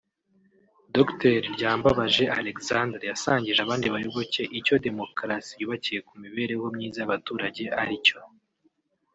Dr Ryambabaje Alexandre yasangije abandi bayoboke icyo demokarasi yubakiye ku mibereho myiza y’abaturage ari icyo